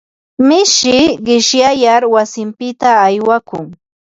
Mishi qishyayar wasinpita aywakun.